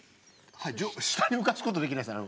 下に浮かすことできないですね。